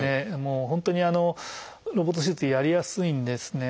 本当にロボット手術やりやすいんですね。